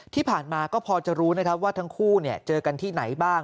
ที่ผ่านมาก็พอจะรู้นะครับว่าทั้งคู่เจอกันที่ไหนบ้าง